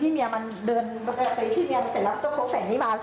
ที่เมียมันเดินไปที่เมียมันเสร็จแล้วมันต้องโค้กแสงให้มา